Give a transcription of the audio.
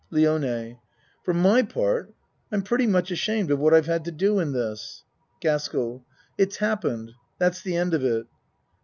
LIONE For my part I'm pretty much ashamed of what I've had to do in this. GASKELL It's happened. That's the end of it.